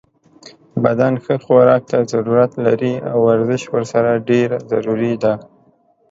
بدن ښه خوراک ته ضرورت لری او ورزش ورسره ډیر ضروری ده